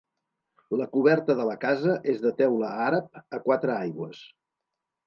La coberta de la casa és de teula àrab a quatre aigües.